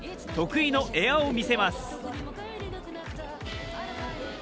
得意のエアを見せます。